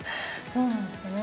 そうなんですかね。